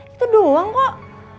itu doang kok